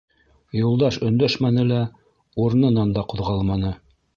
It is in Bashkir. Юлдаш өндәшмәне лә, урынынан да ҡуҙғалманы.